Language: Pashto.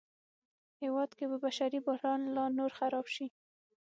هېواد کې به بشري بحران لا نور خراب شي